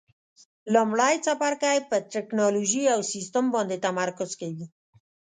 لومړی څپرکی په ټېکنالوجي او سیسټم باندې تمرکز کوي.